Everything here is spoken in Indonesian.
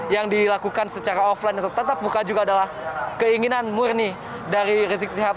yang dilakukan secara offline atau tatap muka juga adalah keinginan murni dari rizik sihab